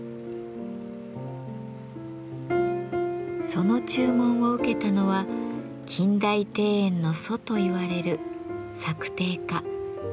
その注文を受けたのは近代庭園の祖といわれる作庭家七代目小川治兵衞。